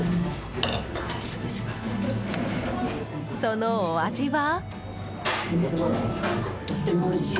そのお味は？